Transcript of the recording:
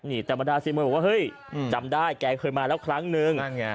นี่แต่บรรดาเซียมวยบอกว่าเฮ้ยจำได้แกเคยมาแล้วครั้งนึง